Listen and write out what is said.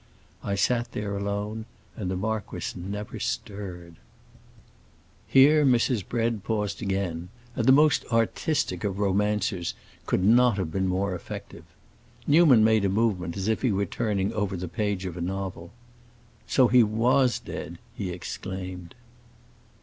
I sat there alone and the marquis never stirred." Here Mrs. Bread paused again, and the most artistic of romancers could not have been more effective. Newman made a movement as if he were turning over the page of a novel. "So he was dead!" he exclaimed.